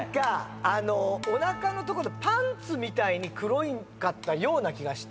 あのおなかの所パンツみたいに黒かったような気がして。